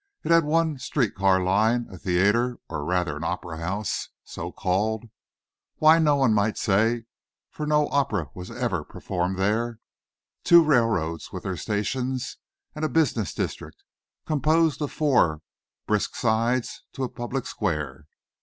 It had one street car line, a theatre, or rather, an opera house, so called (why no one might say, for no opera was ever performed there) two railroads, with their stations, and a business district, composed of four brisk sides to a public square.